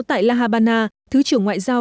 tại la habana thứ trưởng ngoại giao